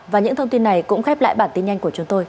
và những thông tin này cũng khép lại bản tin nhanh của chúng tôi